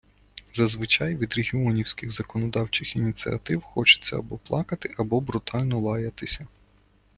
Зазвичай від регіонівських законодавчих ініціатив хочеться або плакати, або брутально лаятися.